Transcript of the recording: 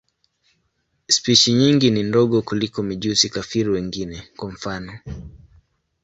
Spishi nyingi ni ndogo kuliko mijusi-kafiri wengine, kwa mfano.